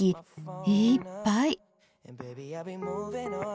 いっぱい！